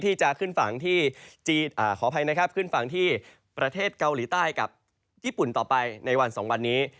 ที่จะขึ้นฝั่งที่ประเทศเกาหลีใต้กับญี่ปุ่นต่อไปในวัน๒วันนี้